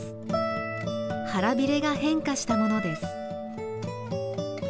腹びれが変化したものです。